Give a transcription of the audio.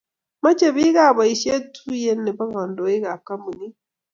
Mochei biikab boisie tuye ak kindonik ab kampunit.